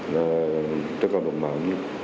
cho cộng đồng mạng